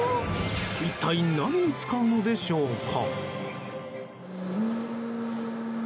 一体何に使うのでしょうか。